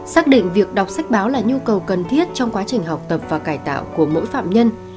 xác định việc đọc sách báo là nhu cầu cần thiết trong quá trình học tập và cải tạo của mỗi phạm nhân